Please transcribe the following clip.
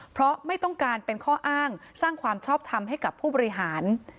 เพราะไม่ต้องการเป็นข้ออ้างสร้างความชอบทำให้กับผู้บริหาร